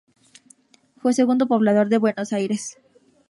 Fue segundo poblador Buenos Aires.